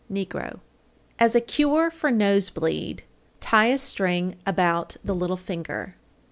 (negro)._ 813. As a cure for nose bleed, tie a string about the little finger.